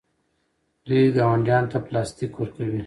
دوی ګاونډیانو ته پلاستیک ورکوي.